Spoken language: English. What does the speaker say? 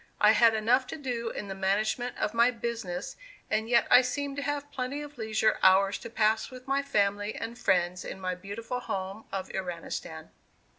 I had enough to do in the management of my business, and yet I seemed to have plenty of leisure hours to pass with my family and friends in my beautiful home of Iranistan.